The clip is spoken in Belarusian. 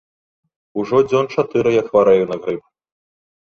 Ужо дзён чатыры як хварэю на грып.